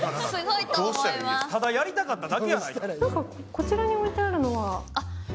こちらに置いてあるのは？